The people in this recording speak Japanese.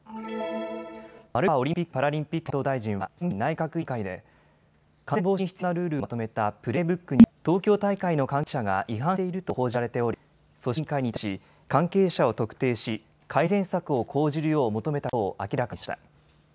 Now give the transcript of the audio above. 丸川オリンピック・パラリンピック担当大臣は参議院内閣委員会で感染防止に必要なルールをまとめたプレーブックに東京大会の関係者が違反していると報じられており組織委員会に対し関係者を特定し改善策を講じるよう求めたことを明らかにしました。